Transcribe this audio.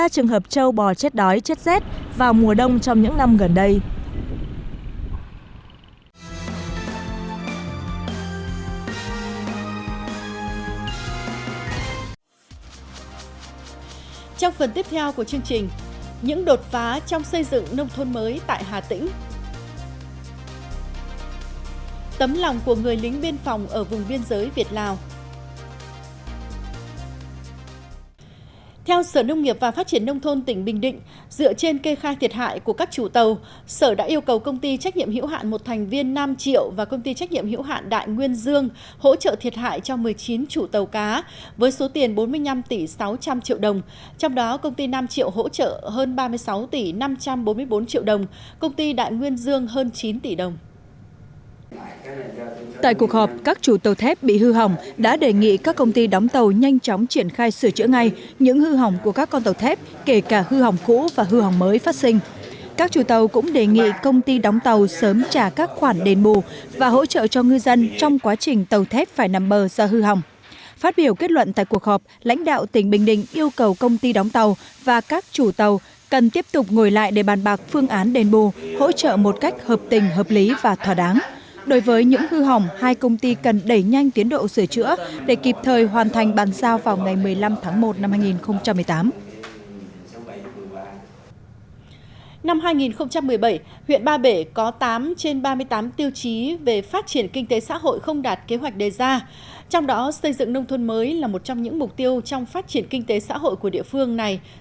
theo sở nông nghiệp và phát triển nông thôn tỉnh bình định dựa trên kê khai thiệt hại của các chủ tàu sở đã yêu cầu công ty trách nhiệm hữu hạn một thành viên năm triệu và công ty trách nhiệm hữu hạn đại nguyên dương hỗ trợ thiệt hại cho một mươi chín chủ tàu cá với số tiền bốn mươi năm tỷ sáu trăm linh triệu đồng